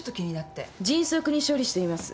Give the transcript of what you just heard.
迅速に処理しています。